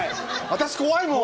私怖いもん！